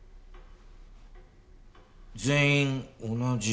全員同じ。